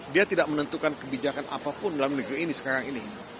dia tidak menentukan kebijakan apapun dalam negeri ini sekarang ini